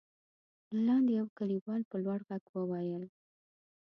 له لاندې يوه کليوال په لوړ غږ وويل: